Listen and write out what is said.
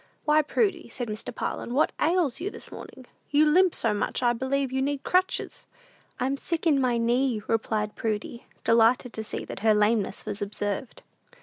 "Why, Prudy," said Mr. Parlin, "what ails you this morning? You limp so much that I believe you need crutches." "I'm sick in my knee," replied Prudy, delighted to see that her lameness was observed.